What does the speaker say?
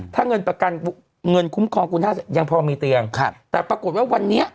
ถ้าเงินประกันเงินคุ้มครองคุณห้ายังพอมีเตียงครับแต่ปรากฏว่าวันนี้